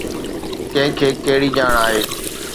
ڪنهن کي ڪهڙي ڄاڻ آهي؟